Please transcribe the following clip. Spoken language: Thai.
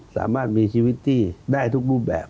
สามารถมีชีวิตที่ได้ทุกรูปแบบ